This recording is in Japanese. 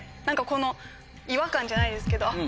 何かこの違和感じゃないですけど。